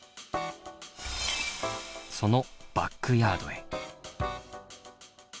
そのバックヤードへ。